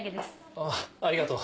あぁありがとう。